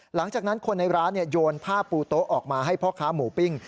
หลังจากนั้นคนในร้านโยนผ้าปูโต๊ะออกมาให้พ่อค้าหมูปิ้ง